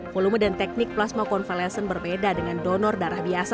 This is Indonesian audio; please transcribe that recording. volume dan teknik plasma konvalescent berbeda dengan donor darah biasa